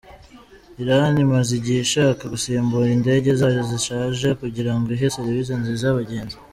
Irani imaze igihe ishaka gusimbura indege zayo zishaje kugirango ihe serivisi zinza abagenzi.